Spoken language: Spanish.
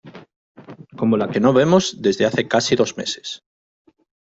como la que no vemos desde hace casi dos meses.